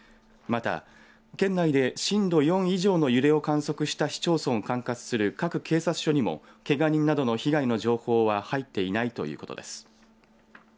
また、県内で震度４以上の揺れを観測した市町村を管轄する各警察署にもけが人などの被害の情報は入っていないということです。